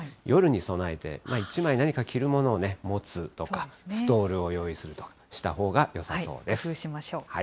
夜に備えて、１枚何か着るものを持つとか、ストールを用意するとかしたほうがよさそうです。